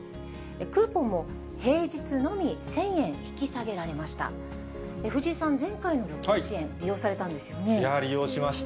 クーポンも平日のみ１０００円引き下げられました。